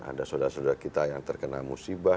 ada saudara saudara kita yang terkena musibah